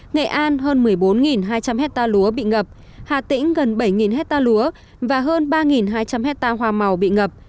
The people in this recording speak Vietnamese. nghệ an hơn một mươi bốn hai trăm linh hectare lúa bị ngập hà tĩnh gần bảy hecta lúa và hơn ba hai trăm linh hectare hoa màu bị ngập